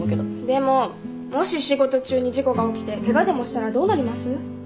でももし仕事中に事故が起きてケガでもしたらどうなります？